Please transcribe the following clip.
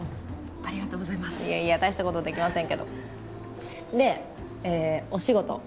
ありがとうございますいやいや大したことできませんけどでお仕事